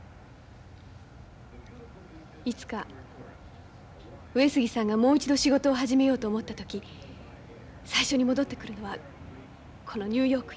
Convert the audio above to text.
いつか上杉さんがもう一度仕事を始めようと思った時最初に戻ってくるのはこのニューヨークよ。